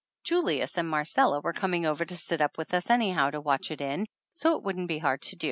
Julius and Marcella were coming over to sit up with us anyhow to watch it in, so it wouldn't be hard to do.